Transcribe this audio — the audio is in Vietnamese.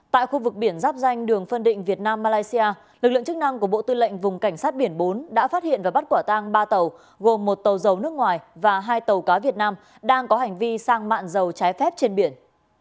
tại khu vực biển giáp danh đường phân định việt nam malaysia lực lượng chức năng của bộ tư lệnh vùng cảnh sát biển bốn đã phát hiện và bắt quả tang ba tàu gồm một tàu dầu nước ngoài và hai tàu cá việt nam đang có hành vi sang mạng dầu trái phép trên biển